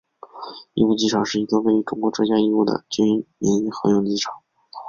义乌机场是一座位于中国浙江义乌的军民合用机场。